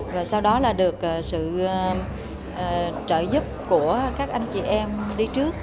và sau đó là được sự trợ giúp của các anh chị em đi trước